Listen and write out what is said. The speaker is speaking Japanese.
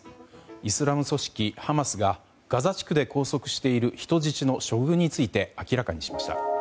イスラム組織ハマスがガザ地区で拘束している人質の処遇について明らかにしました。